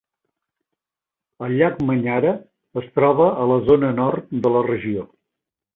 El llac Manyara es troba a la zona nord de la regió.